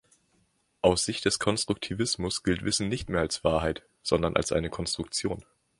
Aus Sicht des Konstruktivismus gilt Wissen nicht mehr als Wahrheit, sondern als eine Konstruktion.